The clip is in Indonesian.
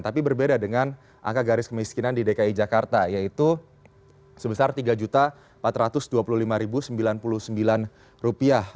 tapi berbeda dengan angka garis kemiskinan di dki jakarta yaitu sebesar rp tiga empat ratus dua puluh lima sembilan puluh sembilan rupiah